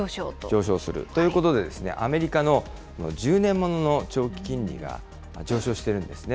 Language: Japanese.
上昇するということで、アメリカの１０年ものの長期金利が上昇しているんですね。